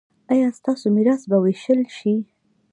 ایا ستاسو میراث به ویشل شي؟